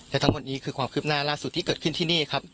และทั้งหมดนี้คือความคืบหน้าล่าสุดที่เกิดขึ้นที่นี่ครับ